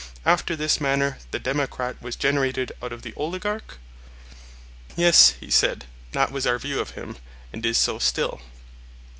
After this manner the democrat was generated out of the oligarch? Yes, he said; that was our view of him, and is so still.